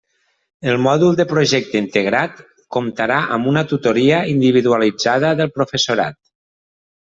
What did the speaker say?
El mòdul de Projecte Integrat comptarà amb una tutoria individualitzada del professorat.